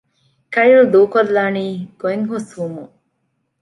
ކައިލް ދޫކޮށްލާނީ ގޮތް ހުސްވުމުން